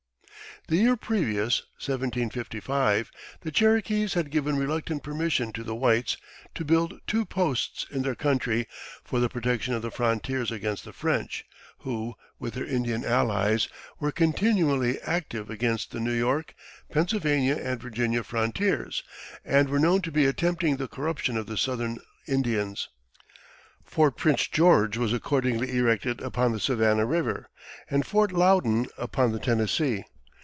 The year previous (1755) the Cherokees had given reluctant permission to the whites to build two posts in their country for the protection of the frontiers against the French, who, with their Indian allies, were continually active against the New York, Pennsylvania, and Virginia frontiers, and were known to be attempting the corruption of the Southern Indians. Fort Prince George was accordingly erected upon the Savannah River, and Fort Loudon upon the Tennessee.